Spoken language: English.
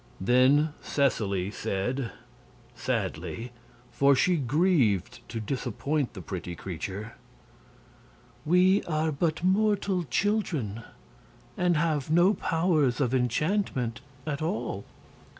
Then Seseley said sadly, for she grieved to disappoint the pretty creature: "We are but mortal children, and have no powers of enchantment at all."